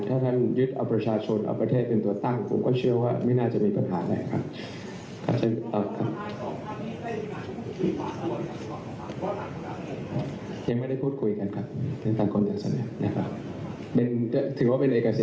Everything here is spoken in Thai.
ถ้าท่านยึดเอาประชาชนเอาประเทศเป็นตัวตั้งผมก็เชื่อว่าไม่น่าจะมีปัญหาอะไรครับ